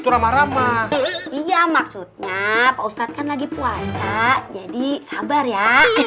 rama rama iya maksudnya pak ustaz kan lagi puasa jadi sabar ya